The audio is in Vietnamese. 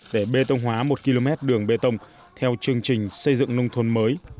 để bê tông hóa một km đường bê tông theo chương trình xây dựng nông thôn mới